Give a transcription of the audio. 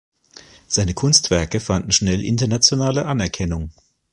Seine Kunstwerke fanden schnell internationale Anerkennung.